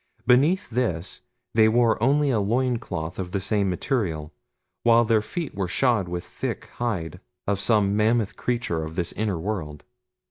Beneath this they wore only a loin cloth of the same material, while their feet were shod with thick hide of some mammoth creature of this inner world.